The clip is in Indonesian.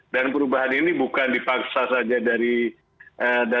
dan perubahan ini bukan dipaksa saja dari desa